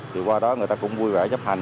thì qua đó người ta cũng vui vẻ chấp hành